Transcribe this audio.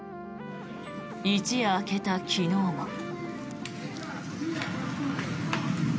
一夜明けた昨日も。